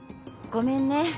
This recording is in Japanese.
ごめんね。